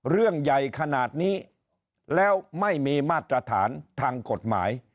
เรื่องใหญ่ขนาดนี้แล้วไม่มีมาตรฐานทางกฎหมาย